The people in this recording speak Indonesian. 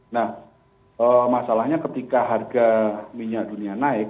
nah masalahnya ketika harga minyak dunia naik